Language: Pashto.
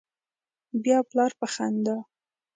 بیا پلار په خندا